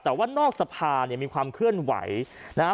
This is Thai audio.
แต่ว่านอกสภาพมีความเคลื่อนไหวนะครับ